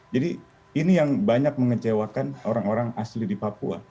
jadi ini yang banyak mengecewakan orang orang asli di papua